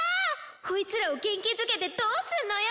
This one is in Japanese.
コイツらを元気づけてどうすんのよ